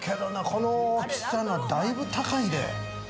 この大きさは、だいぶ高いで。